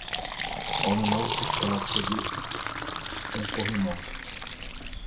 Homem novo que escala sobre um corrimão.